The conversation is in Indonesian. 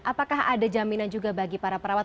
apakah ada jaminan juga bagi para perawat